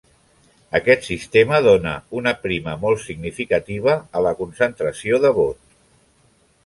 Aquest sistema dóna una prima molt significativa a la concentració de vot.